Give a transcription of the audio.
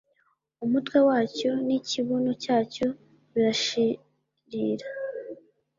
umutwe wacyo n’ikibuno cyacyo birashirira